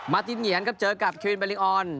ตินเหงียนครับเจอกับครีนเบลิออน